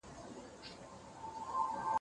د کښتۍ د چلولو پهلوان یې